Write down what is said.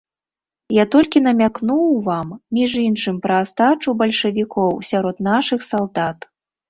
Я толькі намякнуў вам, між іншым, пра астачу бальшавікоў сярод нашых салдат.